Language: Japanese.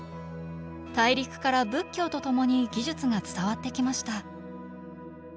大陸から仏教とともに技術が伝わってきました。